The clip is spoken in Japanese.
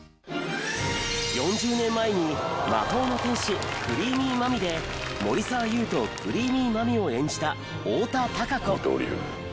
４０年前に『魔法の天使クリィミーマミ』で森沢優とクリィミーマミを演じた太田貴子。